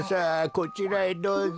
こちらへどうぞ。